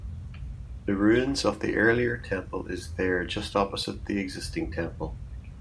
The ruins of the earlier temple is there just opposite the existing temple.